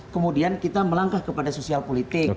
kemudian kita melangkah kepada sosial politik